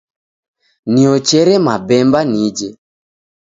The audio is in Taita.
Niochere mabemba nije.